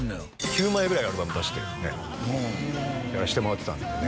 ９枚ぐらいアルバム出してるんでやらせてもらってたんでね